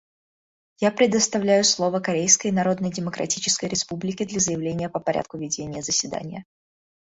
Я предоставляю слово Корейской Народно-Демократической Республике для заявления по порядку ведения заседания.